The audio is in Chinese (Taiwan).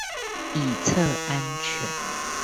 以策安全